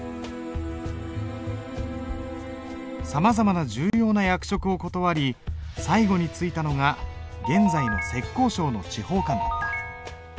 さまざまな重要な役職を断り最後に就いたのが現在の浙江省の地方官だった。